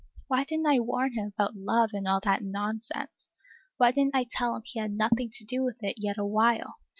Why did n't I warn him about love and all that nonsense? Why didn't I tell him he had nothing to do with it, yet awhile?